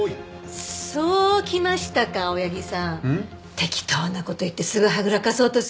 適当な事を言ってすぐはぐらかそうとする！